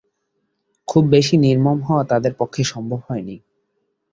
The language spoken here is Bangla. খুব বেশী নির্মম হওয়া তাদের পক্ষে সম্ভব হয়নি।